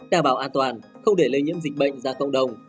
đảm bảo an toàn không để lây nhiễm dịch bệnh ra cộng đồng